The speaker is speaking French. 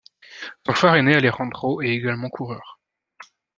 Son frère aîné Alejandro est également coureur.